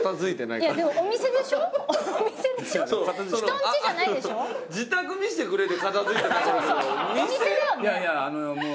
いやいやあのもう。